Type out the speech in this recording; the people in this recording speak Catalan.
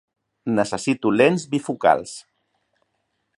Necessito lents bifocals.